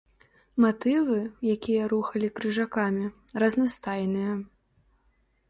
Матывы, якія рухалі крыжакамі, разнастайныя.